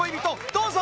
どうぞ！